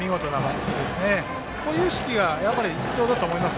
こういう意識が必要だと思います。